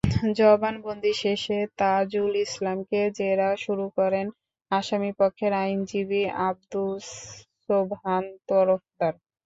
জবানবন্দি শেষে তাজুল ইসলামকে জেরা শুরু করেন আসামিপক্ষের আইনজীবী আবদুস সোবহান তরফদার।